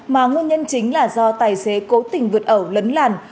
mà nguyên nhân chính là do tài xế cố tình vượt ẩu lấn làn